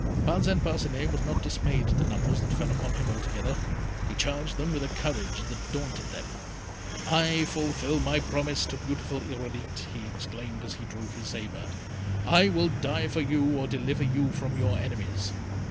Parcin Parcinet was not dismayed at the numbers that fell upon him altogether. He charged them with a courage that daunted them. "I fulfil my promise, beautiful Irolite," he exclaimed, as he drew his sabre; "I will die for you or deliver you from your enemies!"